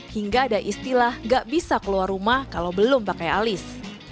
hingga ada istilah gak bisa keluar rumah kalau belum pakai alis